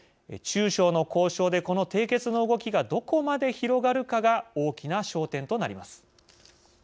中小の交渉で、この締結の動きがどこまで広がるかが大きな焦点となります。